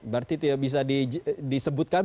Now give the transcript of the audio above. berarti itu ya bisa disebutkan